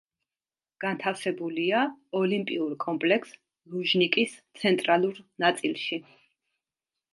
განთავსებულია ოლიმპიურ კომპლექს „ლუჟნიკის“ ცენტრალურ ნაწილში.